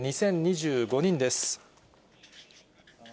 ２０２５人です。